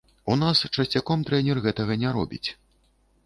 У нас часцяком трэнер гэтага не робіць.